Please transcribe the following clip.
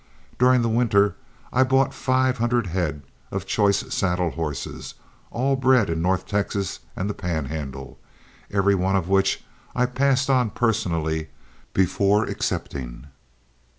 During the winter I bought five hundred head of choice saddle horses, all bred in north Texas and the Pan Handle, every one of which I passed on personally before accepting.